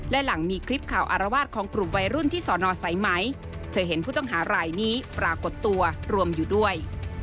และหลังมีคลิปข่าวอารวาสของกลุ่มวัยรุ่นที่สอนอสายไหมเธอเห็นผู้ต้องหารายนี้ปรากฏตัวรวมอยู่ด้วย